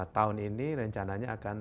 tahun ini rencananya akan